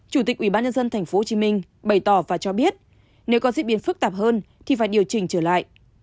chủ tịch ủy ban nhân dân tp hcm bày tỏ và cho biết nếu có diễn biến phức tạp hơn thì phải điều chỉnh trở lại